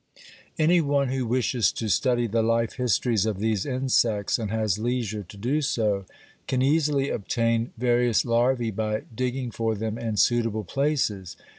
Any one who wishes to study the life histories of these insects, and has leisure to do so, can easily obtain various larvæ by digging for them in suitable places.